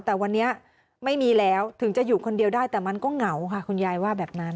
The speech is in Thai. แต่วันนี้ไม่มีแล้วถึงจะอยู่คนเดียวได้แต่มันก็เหงาค่ะคุณยายว่าแบบนั้น